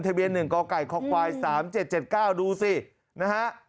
ทะเบียน๑กกค๓๗๗๙ดูสินะฮะ